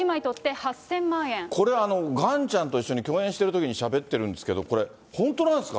これ、ガンちゃんと一緒に共演しているときにしゃべっているんですけど、これ、本当なんですか？